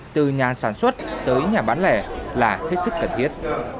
từ nhà sản xuất tới nhà bán lẻ là hết sức cần thiết